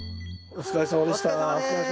お疲れさまです。